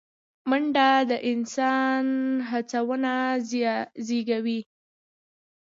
منډه د انسان هڅونه زیږوي